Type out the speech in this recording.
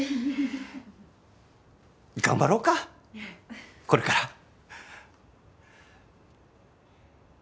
頑張ろうかこれから。